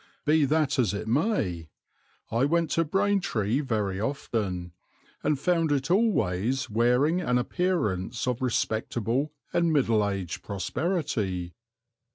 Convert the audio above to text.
Be that as it may, I went to Braintree very often, and found it always wearing an appearance of respectable and middle aged prosperity.